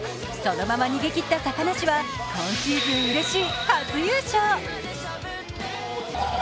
そのまま逃げ切った高梨は今シーズンうれしい初優勝。